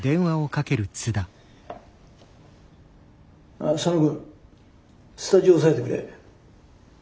ああ佐野くん。スタジオ押さえてくれ。